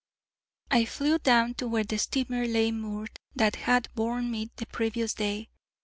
I flew down to where the steamer lay moored that had borne me the previous day.